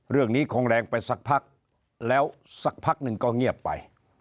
เรื่องนี้คงแรงไปสักพักแล้วสักพักหนึ่งก็เงียบไป